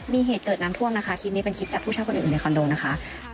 มีเหตุเกิดน้ำท่วมนะคะคลิปนี้เป็นคลิปจากผู้ชายคนอื่นในคอนโดนะคะ